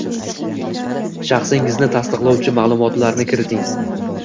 Shaxsingizni tasdiqlovchi maʼlumotlarni kiriting.